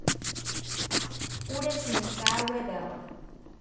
Ur asen-ttɛawadeɣ.